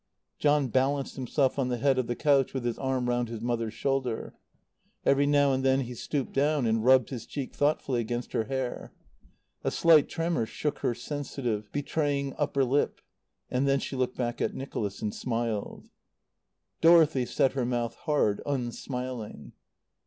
John balanced himself on the head of the couch with his arm round his mother's shoulder. Every now and then he stooped down and rubbed his cheek thoughtfully against her hair. A slight tremor shook her sensitive, betraying upper lip; then she looked back at Nicholas and smiled. Dorothy set her mouth hard, unsmiling.